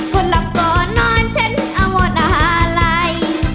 คนหลับก่อนนอนฉันอวดอาหารัย